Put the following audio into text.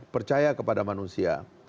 percaya kepada manusia